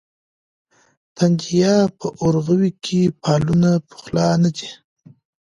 تندیه په اورغوي کې فالونه پخلا نه دي.